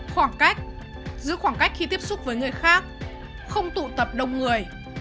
khoảng cách giữ khoảng cách khi tiếp xúc với người khác không tụ tập đông người